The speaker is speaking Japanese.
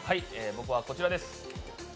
僕はこちらです。